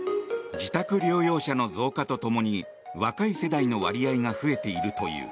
自宅療養者の増加とともに若い世代の割合が増えているという。